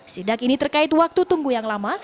sidak ini terkait waktu tunggu yang lama